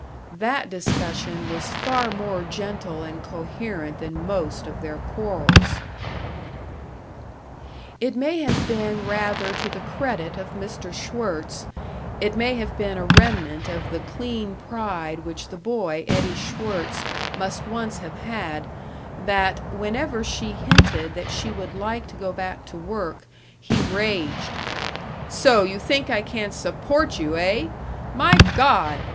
That discussion was far more gentle and coherent than most of their quarrels. It may have been rather to the credit of Mr. Schwirtz it may have been a remnant of the clean pride which the boy Eddie Schwirtz must once have had, that, whenever she hinted that she would like to go back to work he raged: "So you think I can't support you, eh? My God!